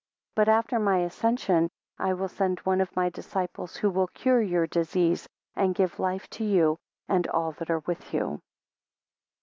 4 But after my ascension I will send one of my disciples, who will cure your disease, and give life to you, and all that are with you.